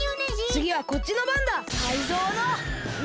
つぎはこっちのばんだ！